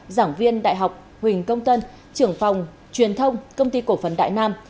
giảng viên đại học huỳnh công tân trưởng phòng truyền thông công ty cổ phần đại nam